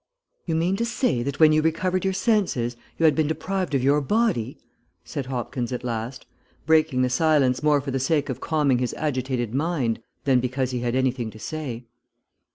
"You mean to say that when you recovered your senses, you had been deprived of your body?" said Hopkins at last, breaking the silence more for the sake of calming his agitated mind than because he had anything to say.